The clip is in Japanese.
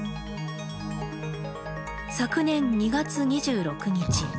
昨年２月２６日。